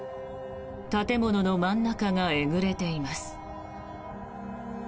建物の真ん中がえぐれています。